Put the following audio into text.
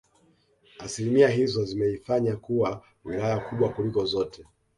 Asilimia hizo zimeifanya kuwa Wilaya kubwa kuliko zote